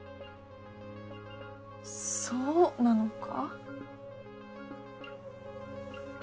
そうなのか？